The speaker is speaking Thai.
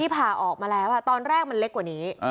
ผ่าออกมาแล้วตอนแรกมันเล็กกว่านี้